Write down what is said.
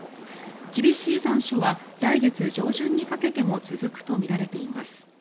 厳しい残暑は来月上旬にかけても続くとみられています。